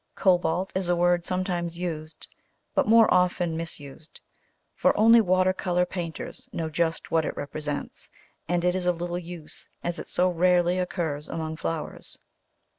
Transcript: Cobalt is a word sometimes used, but more often misused, for only water colour painters know just what it represents, and it is of little use, as it so rarely occurs among flowers.